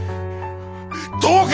どうか！